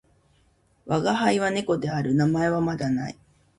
わがはいは猫である。名前はまだ無い。